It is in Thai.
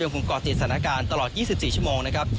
คงก่อติดสถานการณ์ตลอด๒๔ชั่วโมงนะครับ